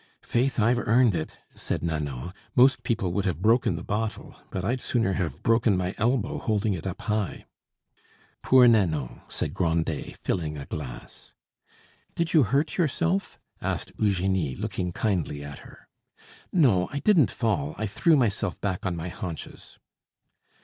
"Faith! I've earned it," said Nanon; "most people would have broken the bottle; but I'd sooner have broken my elbow holding it up high." "Poor Nanon!" said Grandet, filling a glass. "Did you hurt yourself?" asked Eugenie, looking kindly at her. "No, I didn't fall; I threw myself back on my haunches."